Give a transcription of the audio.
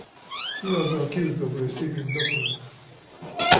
He was accused of receiving documents.